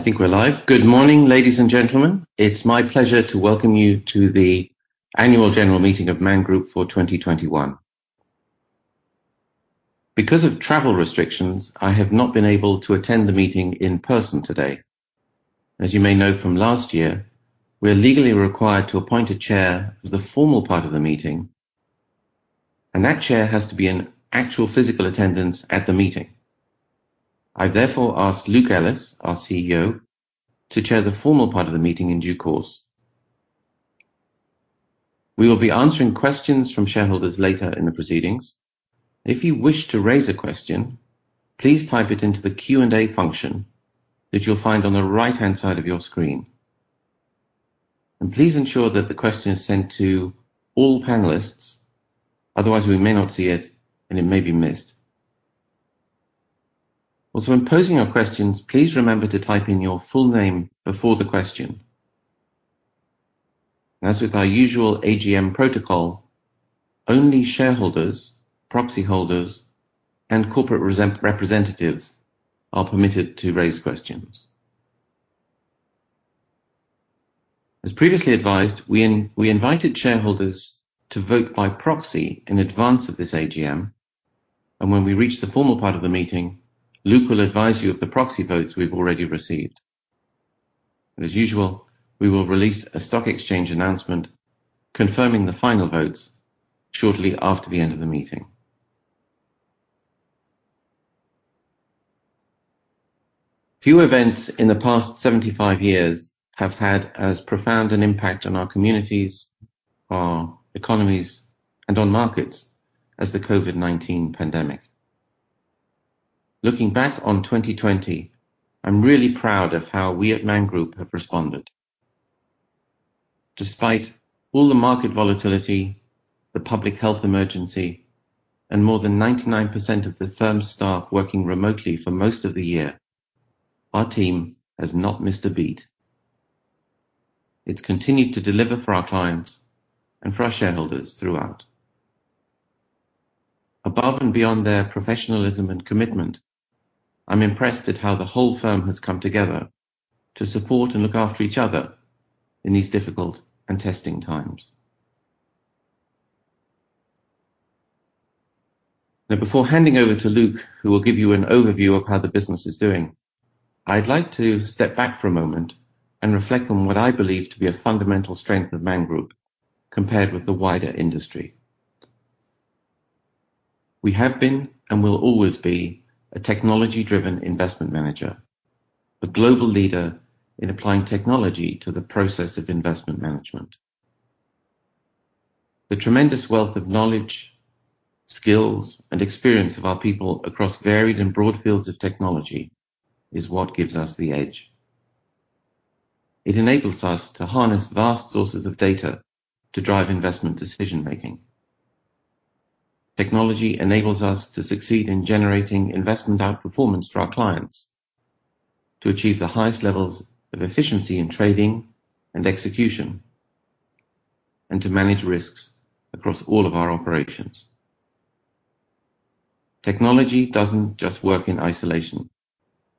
I think we're live. Good morning, ladies and gentlemen. It's my pleasure to welcome you to the annual general meeting of Man Group for 2021. Because of travel restrictions, I have not been able to attend the meeting in person today. As you may know from last year, we're legally required to appoint a chair for the formal part of the meeting, and that chair has to be in actual physical attendance at the meeting. I therefore ask Luke Ellis, our CEO, to chair the formal part of the meeting in due course. We will be answering questions from shareholders later in the proceedings. If you wish to raise a question, please type it into the Q&A function that you'll find on the right-hand side of your screen. Please ensure that the question is sent to all panelists. Otherwise, we may not see it and it may be missed. Also, when posing your questions, please remember to type in your full name before the question. As with our usual AGM protocol, only shareholders, proxy holders, and corporate representatives are permitted to raise questions. As previously advised, we invited shareholders to vote by proxy in advance of this AGM. When we reach the formal part of the meeting, Luke will advise you of the proxy votes we've already received. As usual, we will release a stock exchange announcement confirming the final votes shortly after the end of the meeting. Few events in the past 75 years have had as profound an impact on our communities, our economies, and on markets as the COVID-19 pandemic. Looking back on 2020, I'm really proud of how we at Man Group have responded. Despite all the market volatility, the public health emergency, and more than 99% of the firm's staff working remotely for most of the year, our team has not missed a beat. It's continued to deliver for our clients and for our shareholders throughout. Above and beyond their professionalism and commitment, I'm impressed at how the whole firm has come together to support and look after each other in these difficult and testing times. Now, before handing over to Luke, who will give you an overview of how the business is doing, I'd like to step back for a moment and reflect on what I believe to be a fundamental strength of Man Group compared with the wider industry. We have been and will always be a technology-driven investment manager, a global leader in applying technology to the process of investment management. The tremendous wealth of knowledge, skills, and experience of our people across varied and broad fields of technology is what gives us the edge. It enables us to harness vast sources of data to drive investment decision-making. Technology enables us to succeed in generating investment outperformance for our clients, to achieve the highest levels of efficiency in trading and execution, and to manage risks across all of our operations. Technology doesn't just work in isolation.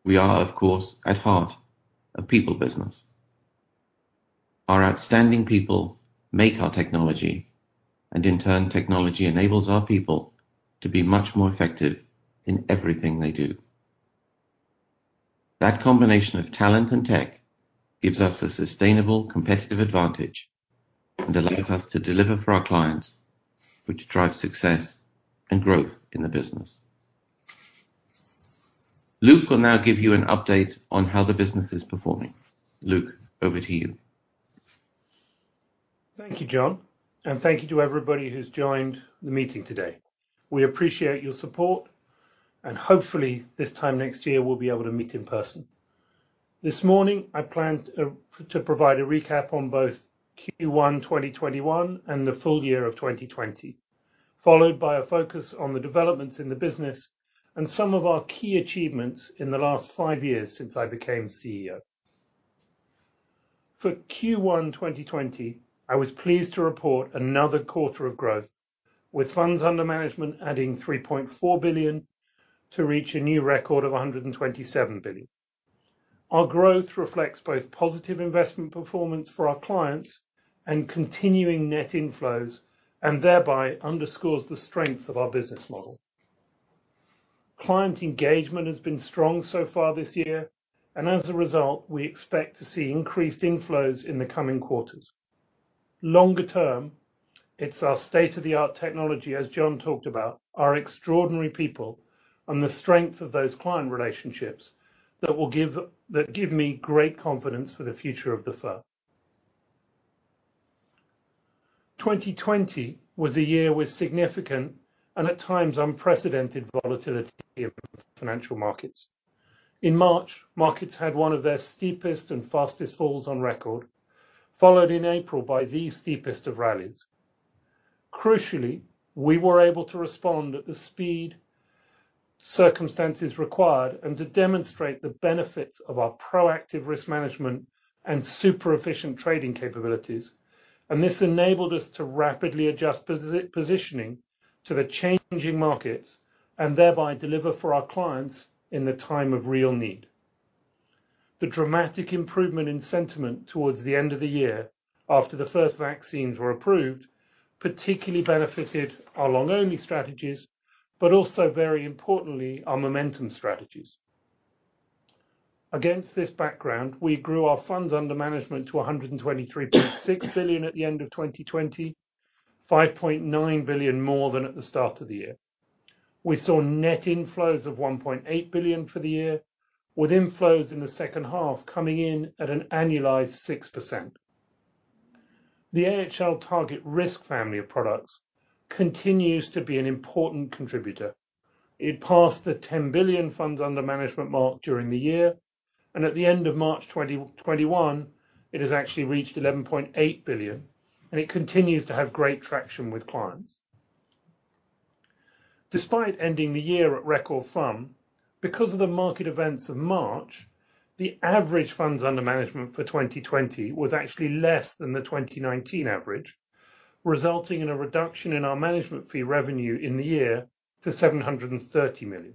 We are, of course, at heart, a people business. Our outstanding people make our technology, and in turn, technology enables our people to be much more effective in everything they do. That combination of talent and tech gives us a sustainable competitive advantage and allows us to deliver for our clients, which drives success and growth in the business. Luke will now give you an update on how the business is performing. Luke, over to you. Thank you, John, and thank you to everybody who's joined the meeting today. We appreciate your support, and hopefully this time next year, we'll be able to meet in person. This morning, I plan to provide a recap on both Q1 2021 and the full year of 2020, followed by a focus on the developments in the business and some of our key achievements in the last five years since I became CEO. For Q1 2021, I was pleased to report another quarter of growth with funds under management adding 3.4 billion to reach a new record of 127 billion. Our growth reflects both positive investment performance for our clients and continuing net inflows, and thereby underscores the strength of our business model. Client engagement has been strong so far this year, and as a result, we expect to see increased inflows in the coming quarters. Longer term, it's our state-of-the-art technology, as John talked about, our extraordinary people, and the strength of those client relationships that give me great confidence for the future of the firm. 2020 was a year with significant and at times unprecedented volatility in financial markets. In March, markets had one of their steepest and fastest falls on record, followed in April by the steepest of rallies. Crucially, we were able to respond at the speed circumstances required and to demonstrate the benefits of our proactive risk management and super-efficient trading capabilities. This enabled us to rapidly adjust positioning to the changing markets and thereby deliver for our clients in the time of real need. The dramatic improvement in sentiment towards the end of the year after the first vaccines were approved, particularly benefited our long-only strategies, also very importantly, our momentum strategies. Against this background, we grew our funds under management to 123.6 billion at the end of 2020, 5.9 billion more than at the start of the year. We saw net inflows of 1.8 billion for the year, with inflows in the second half coming in at an annualized 6%. The AHL TargetRisk family of products continues to be an important contributor. It passed the 10 billion funds under management mark during the year, and at the end of March 2021, it has actually reached 11.8 billion, and it continues to have great traction with clients. Despite ending the year at record FUM, because of the market events of March, the average funds under management for 2020 was actually less than the 2019 average, resulting in a reduction in our management fee revenue in the year to 730 million.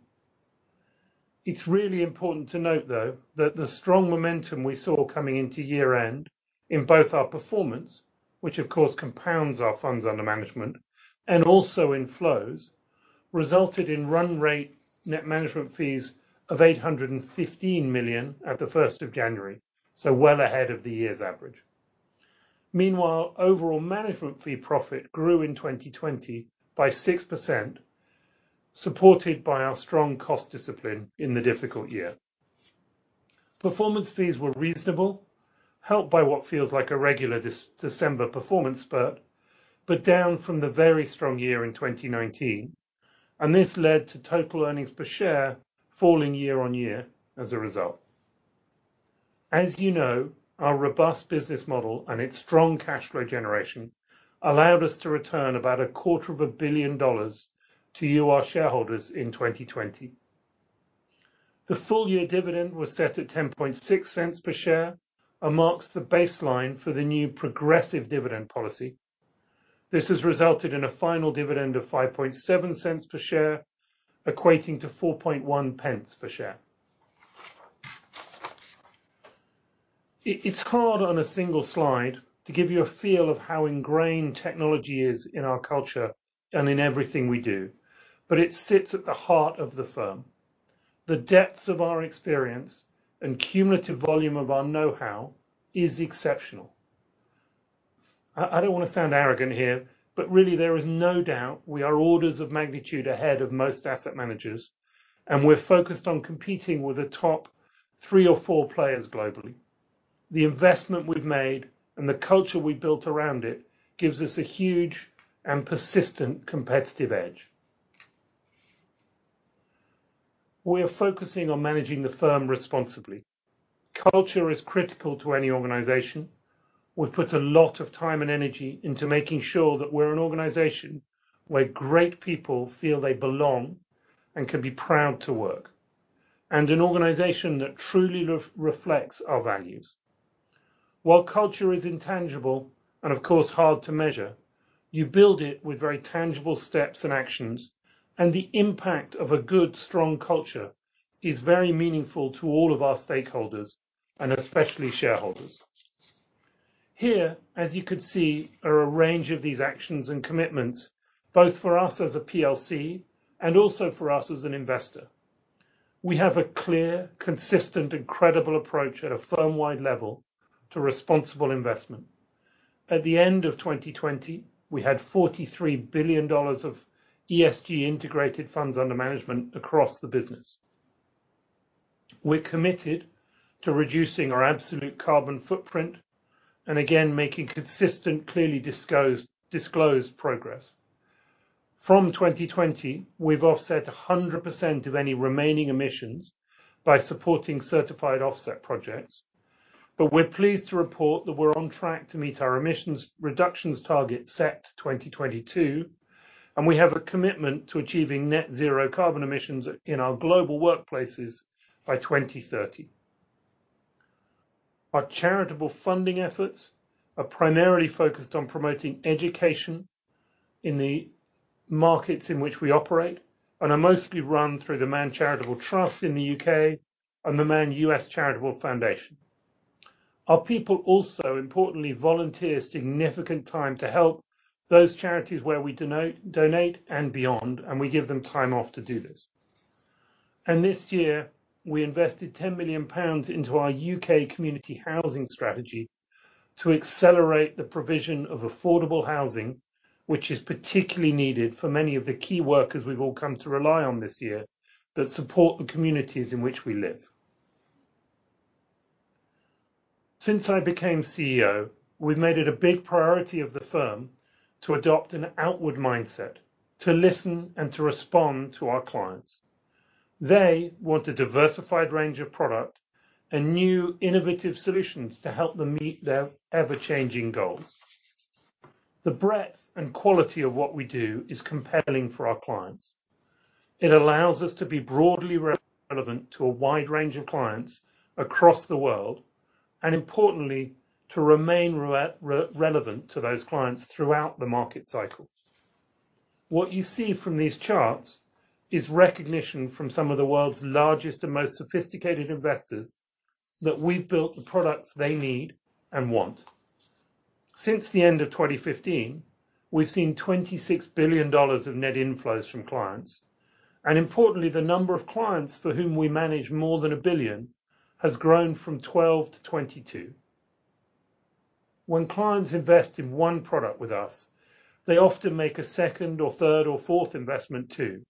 It's really important to note, though, that the strong momentum we saw coming into year-end in both our performance, which of course compounds our funds under management, and also inflows, resulted in run rate net management fees of $815 million at the 1st of January, so well ahead of the year's average. Meanwhile, overall management fee profit grew in 2020 by 6%, supported by our strong cost discipline in the difficult year. Performance fees were reasonable, helped by what feels like a regular December performance spurt, but down from the very strong year in 2019, and this led to total earnings per share falling year-on-year as a result. As you know, our robust business model and its strong cash flow generation allowed us to return about a quarter of a billion dollars to you, our shareholders, in 2020. The full year dividend was set at $0.106 per share and marks the baseline for the new progressive dividend policy. This has resulted in a final dividend of $0.057 per share, equating to 0.041 per share. It is hard on a single slide to give you a feel of how ingrained technology is in our culture and in everything we do, but it sits at the heart of the firm. The depths of our experience and cumulative volume of our know-how is exceptional. I don't want to sound arrogant here, but really there is no doubt we are orders of magnitude ahead of most asset managers, and we are focused on competing with the top three or four players globally. The investment we have made and the culture we have built around it gives us a huge and persistent competitive edge. We are focusing on managing the firm responsibly. Culture is critical to any organization. We've put a lot of time and energy into making sure that we're an organization where great people feel they belong and can be proud to work, and an organization that truly reflects our values. While culture is intangible and of course hard to measure, you build it with very tangible steps and actions, and the impact of a good, strong culture is very meaningful to all of our stakeholders and especially shareholders. Here, as you could see, are a range of these actions and commitments, both for us as a PLC and also for us as an investor. We have a clear, consistent, and credible approach at a firm-wide level to responsible investment. At the end of 2020, we had $43 billion of ESG integrated funds under management across the business. We're committed to reducing our absolute carbon footprint and again, making consistent, clearly disclosed progress. From 2020, we've offset 100% of any remaining emissions by supporting certified offset projects. We're pleased to report that we're on track to meet our emissions reductions target set to 2022, and we have a commitment to achieving net zero carbon emissions in our global workplaces by 2030. Our charitable funding efforts are primarily focused on promoting education in the markets in which we operate and are mostly run through the Man Charitable Trust in the U.K. and the Man US Charitable Foundation. Our people also importantly volunteer significant time to help those charities where we donate and beyond, and we give them time off to do this. This year, we invested 10 million pounds into our U.K. community housing strategy to accelerate the provision of affordable housing, which is particularly needed for many of the key workers we've all come to rely on this year that support the communities in which we live. Since I became CEO, we've made it a big priority of the firm to adopt an outward mindset, to listen and to respond to our clients. They want a diversified range of product and new innovative solutions to help them meet their ever-changing goals. The breadth and quality of what we do is compelling for our clients. It allows us to be broadly relevant to a wide range of clients across the world, and importantly, to remain relevant to those clients throughout the market cycles. What you see from these charts is recognition from some of the world's largest and most sophisticated investors that we've built the products they need and want. Since the end of 2015, we've seen $26 billion of net inflows from clients, and importantly, the number of clients for whom we manage more than a billion has grown from 12-22. When clients invest in one product with us, they often make a second or third or fourth investment too,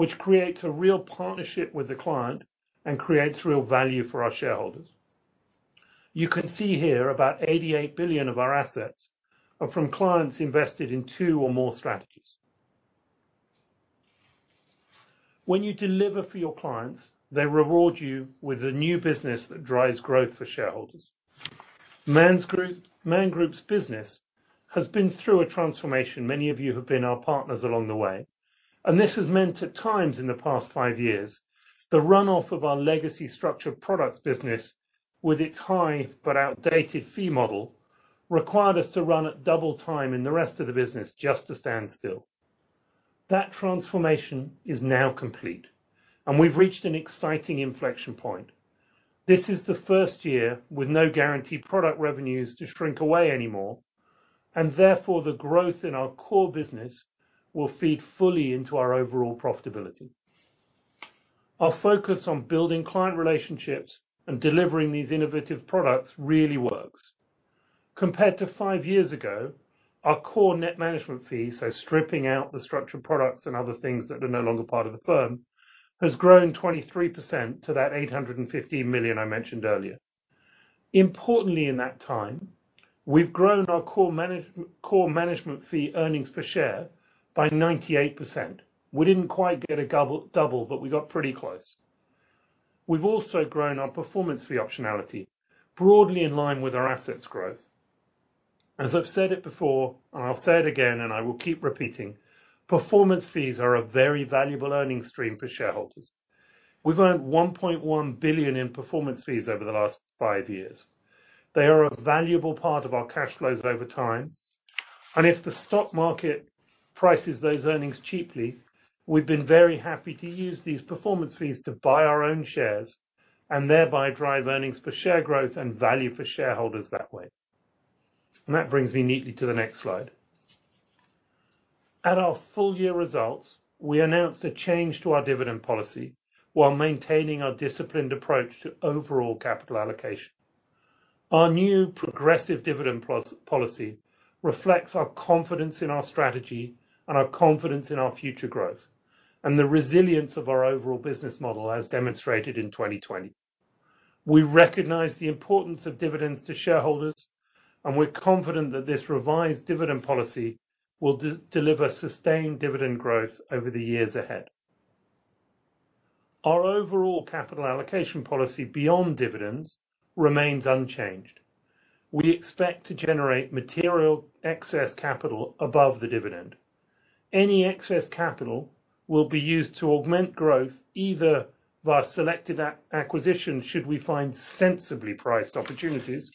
which creates a real partnership with the client and creates real value for our shareholders. You can see here about $88 billion of our assets are from clients invested in two or more strategies. When you deliver for your clients, they reward you with the new business that drives growth for shareholders. Man Group's business has been through a transformation. Many of you have been our partners along the way, and this has meant at times in the past 5 years, the runoff of our legacy structured products business with its high but outdated fee model required us to run at double time in the rest of the business just to stand still. That transformation is now complete, and we've reached an exciting inflection point. This is the first year with no guaranteed product revenues to shrink away anymore, and therefore, the growth in our core business will feed fully into our overall profitability. Our focus on building client relationships and delivering these innovative products really works. Compared to 5 years ago, our core net management fees, so stripping out the structured products and other things that are no longer part of the firm, has grown 23% to that 850 million I mentioned earlier. Importantly, in that time, we've grown our core management fee earnings per share by 98%. We didn't quite get a double. We got pretty close. We've also grown our performance fee optionality broadly in line with our assets growth. As I've said it before, and I'll say it again, and I will keep repeating, performance fees are a very valuable earnings stream for shareholders. We've earned $1.1 billion in performance fees over the last five years. They are a valuable part of our cash flows over time, and if the stock market prices those earnings cheaply, we've been very happy to use these performance fees to buy our own shares and thereby drive earnings per share growth and value for shareholders that way. That brings me neatly to the next slide. At our full year results, we announced a change to our dividend policy while maintaining our disciplined approach to overall capital allocation. Our new progressive dividend policy reflects our confidence in our strategy and our confidence in our future growth and the resilience of our overall business model as demonstrated in 2020. We recognize the importance of dividends to shareholders, and we're confident that this revised dividend policy will deliver sustained dividend growth over the years ahead. Our overall capital allocation policy beyond dividends remains unchanged. We expect to generate material excess capital above the dividend. Any excess capital will be used to augment growth, either via selected acquisition, should we find sensibly priced opportunities,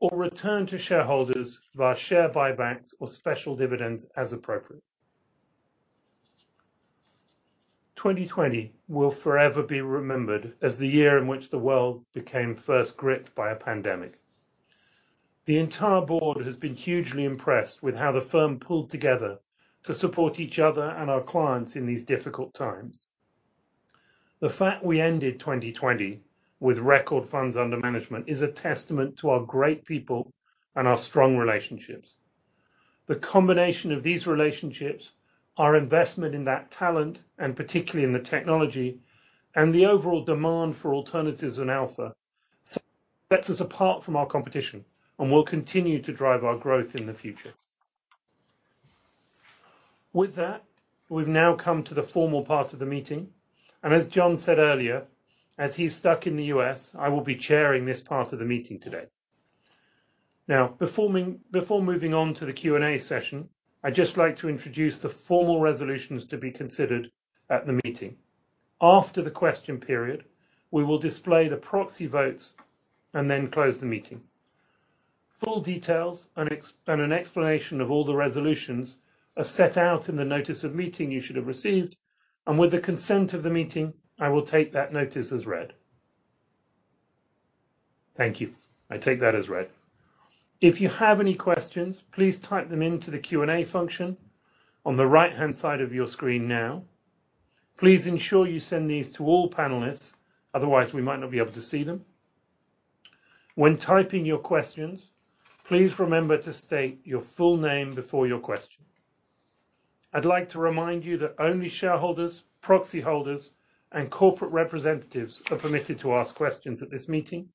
or return to shareholders via share buybacks or special dividends as appropriate. 2020 will forever be remembered as the year in which the world became first gripped by a pandemic. The entire board has been hugely impressed with how the firm pulled together to support each other and our clients in these difficult times. The fact we ended 2020 with record FUMs under management is a testament to our great people and our strong relationships. The combination of these relationships, our investment in that talent, and particularly in the technology, and the overall demand for alternatives and alpha, sets us apart from our competition and will continue to drive our growth in the future. With that, we've now come to the formal part of the meeting. As John said earlier, as he's stuck in the U.S., I will be chairing this part of the meeting today. Now, before moving on to the Q&A session, I'd just like to introduce the formal resolutions to be considered at the meeting. After the question period, we will display the proxy votes and then close the meeting. Full details and an explanation of all the resolutions are set out in the notice of meeting you should have received. With the consent of the meeting, I will take that notice as read. Thank you. I take that as read. If you have any questions, please type them into the Q&A function on the right-hand side of your screen now. Please ensure you send these to all panelists. We might not be able to see them. When typing your questions, please remember to state your full name before your question. I'd like to remind you that only shareholders, proxy holders, and corporate representatives are permitted to ask questions at this meeting.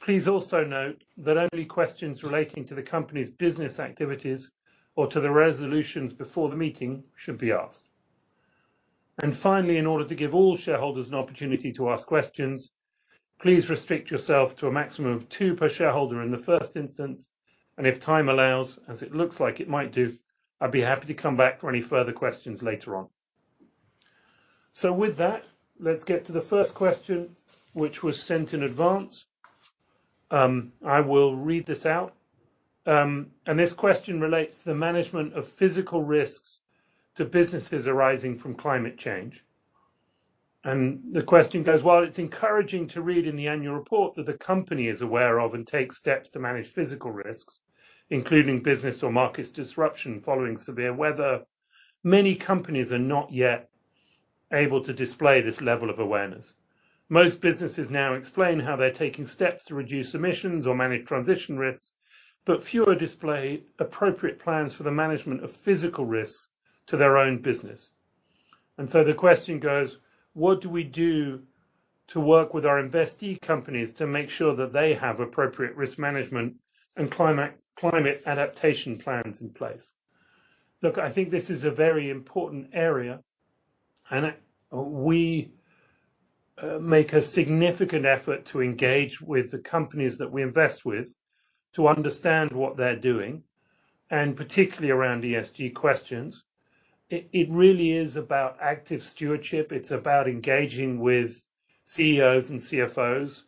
Please also note that only questions relating to the company's business activities or to the resolutions before the meeting should be asked. Finally, in order to give all shareholders an opportunity to ask questions. Please restrict yourself to a maximum of two per shareholder in the first instance, and if time allows, as it looks like it might do, I'd be happy to come back for any further questions later on. With that, let's get to the first question, which was sent in advance. I will read this out. This question relates to the management of physical risks to businesses arising from climate change. The question goes: While it's encouraging to read in the annual report that the company is aware of and takes steps to manage physical risks, including business or market disruption following severe weather, many companies are not yet able to display this level of awareness. Most businesses now explain how they're taking steps to reduce emissions or manage transition risks, but fewer display appropriate plans for the management of physical risks to their own business. The question goes: What do we do to work with our investee companies to make sure that they have appropriate risk management and climate adaptation plans in place? Look, I think this is a very important area, and we make a significant effort to engage with the companies that we invest with to understand what they're doing, and particularly around ESG questions. It really is about active stewardship. It's about engaging with CEOs and CFOs,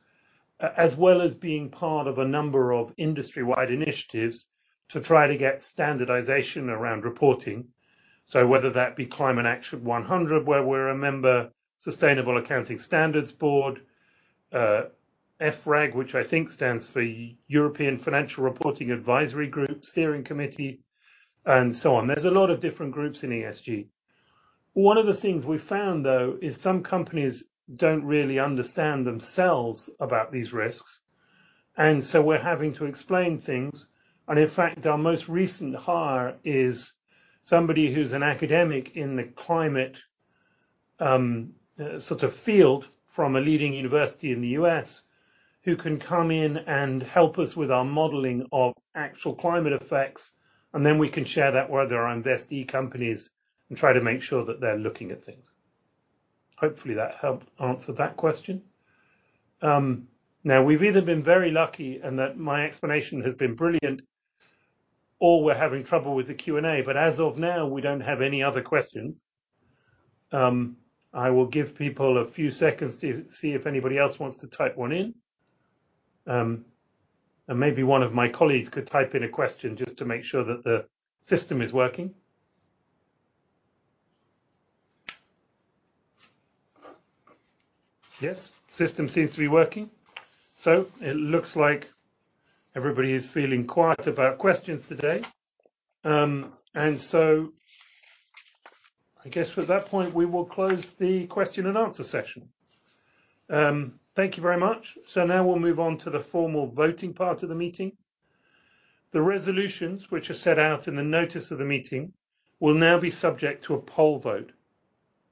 as well as being part of a number of industry-wide initiatives to try to get standardization around reporting. Whether that be Climate Action 100+, where we're a member, Sustainability Accounting Standards Board, EFRAG, which I think stands for European Financial Reporting Advisory Group, Steering Committee, and so on. There's a lot of different groups in ESG. One of the things we found, though, is some companies don't really understand themselves about these risks, and so we're having to explain things. In fact, our most recent hire is somebody who's an academic in the climate field from a leading university in the U.S. who can come in and help us with our modeling of actual climate effects, and then we can share that with our investee companies and try to make sure that they're looking at things. Hopefully that helped answer that question. We've either been very lucky and that my explanation has been brilliant, or we're having trouble with the Q&A. As of now, we don't have any other questions. I will give people a few seconds to see if anybody else wants to type one in. Maybe one of my colleagues could type in a question just to make sure that the system is working. Yes. System seems to be working. It looks like everybody is feeling quiet about questions today. I guess at that point, we will close the question and answer session. Thank you very much. Now we'll move on to the formal voting part of the meeting. The resolutions which are set out in the notice of the meeting will now be subject to a poll vote.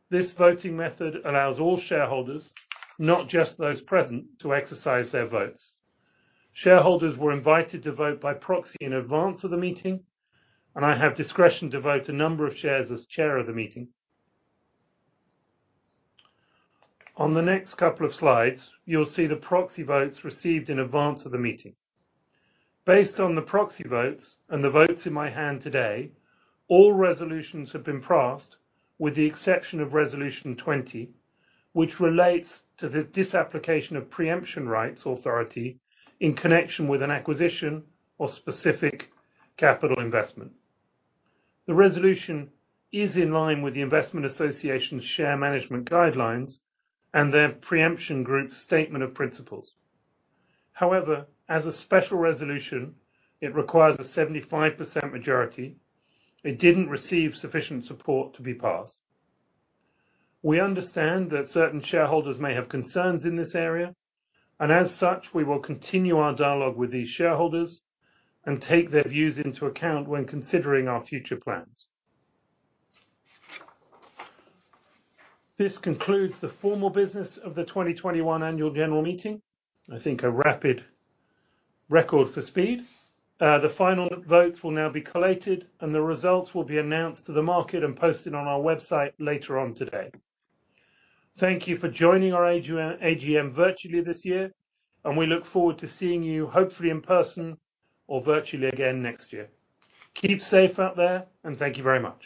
This voting method allows all shareholders, not just those present, to exercise their votes. Shareholders were invited to vote by proxy in advance of the meeting, and I have discretion to vote a number of shares as chair of the meeting. On the next couple of slides, you'll see the proxy votes received in advance of the meeting. Based on the proxy votes and the votes in my hand today, all resolutions have been passed with the exception of Resolution 20, which relates to the disapplication of preemption rights authority in connection with an acquisition or specific capital investment. The resolution is in line with The Investment Association's Share Capital Management Guidelines and their Pre-Emption Group Statement of Principles. However, as a special resolution, it requires a 75% majority. It didn't receive sufficient support to be passed. We understand that certain shareholders may have concerns in this area, and as such, we will continue our dialogue with these shareholders and take their views into account when considering our future plans. This concludes the formal business of the 2021 Annual General Meeting. I think a rapid record for speed. The final votes will now be collated, and the results will be announced to the market and posted on our website later on today. Thank you for joining our AGM virtually this year, and we look forward to seeing you, hopefully in person or virtually again next year. Keep safe out there, and thank you very much.